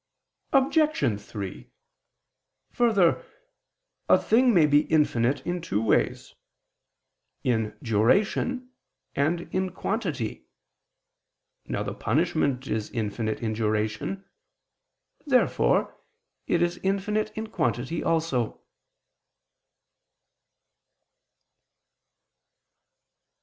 Obj. 3: Further, a thing may be infinite in two ways, in duration, and in quantity. Now the punishment is infinite in duration. Therefore it is infinite in quantity also.